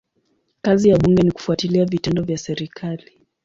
Kazi ya bunge ni kufuatilia vitendo vya serikali.